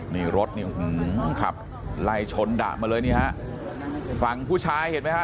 นี่รถนี่ขับไล่ชนดะมาเลยนี่ฮะฝั่งผู้ชายเห็นไหมฮะ